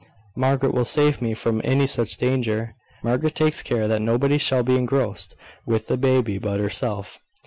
"Margaret will save me from any such danger. Margaret takes care that nobody shall be engrossed with the baby but herself.